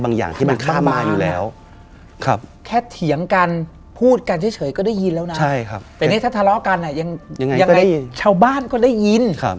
แต่นี้ถ้าทะเลาะกันอ่ะยังไงชาวบ้านก็ได้ยิน